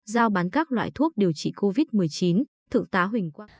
giao bán các loại thuốc điều trị covid một mươi chín thử tá huỳnh quang